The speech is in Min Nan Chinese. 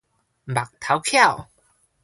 目頭巧